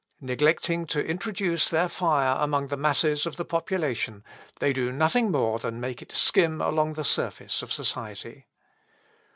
Neglecting to introduce their fire among the masses of the population, they do nothing more than make it skim along the surface of society.